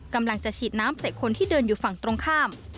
กำลังจะฉีดน้ำใส่คนที่เดินอยู่ฝั่งตรงข้าม